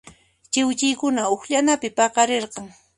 Chiwchiykuna uqllanapi paqarirqan.